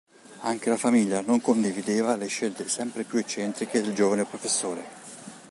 Anche la famiglia non condivideva le scelte sempre più eccentriche del giovane professore.